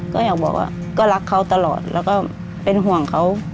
ก็อยากบอกว่าก็รักเขาตลอดแล้วก็เป็นห่วงเขา